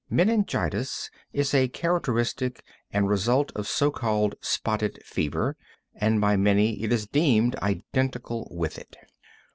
Meningitis is a characteristic and result of so called spotted fever, and by many it is deemed identical with it.